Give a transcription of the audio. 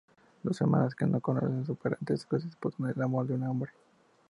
Dos hermanas que no conocen su parentesco se disputan el amor de un hombre.